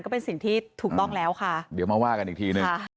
ก็เป็นสิ่งที่ถูกต้องแล้วค่ะเดี๋ยวมาว่ากันอีกทีหนึ่ง